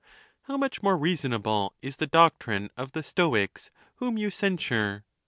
XLIV. How much more reasonable is the doctrine of the Stoics, whom you censure?